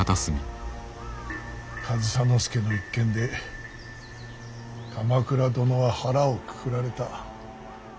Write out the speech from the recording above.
上総介の一件で鎌倉殿は腹をくくられた。